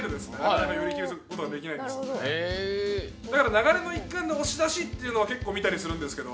だから流れの一環で押し出しっていうのは結構見たりするんですけど。